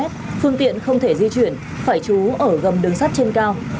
phương tiện không thể di chuyển phải trú ở gầm đường sắt trên cao